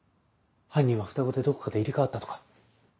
犯人は双子でどこかで入れ替わったとか？